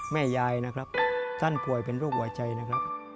แม่ยายนะครับท่านป่วยเป็นโรคหัวใจนะครับ